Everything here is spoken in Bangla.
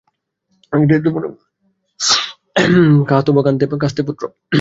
কা তব কান্তা কস্তে পুত্রঃ।